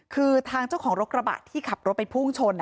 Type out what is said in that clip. คือทางเจ้าของรถกระบะที่ขับรถไปพุ่งชน